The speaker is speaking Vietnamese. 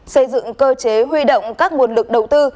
xây dựng cơ chế huy động các nguồn lực đầu tư